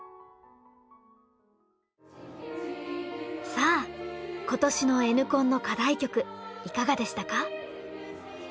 さあ今年のＮコンの課題曲いかがでしたか？